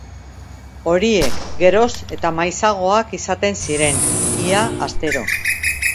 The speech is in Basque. Horiek geroz eta maizagoak izaten ziren, ia astero.